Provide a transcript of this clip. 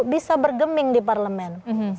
bisa bergeming di parlemen